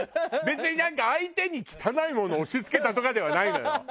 別になんか相手に汚いものを押し付けたとかではないのよ。